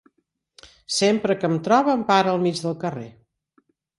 Sempre que em troba em para al mig del carrer.